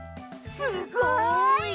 すごい！